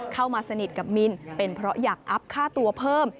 เข้ามาสนิทกับมินเป็นเพราะอยากอัพค่าตัวเพิ่ม